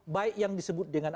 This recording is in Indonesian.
baik yang disebut dengan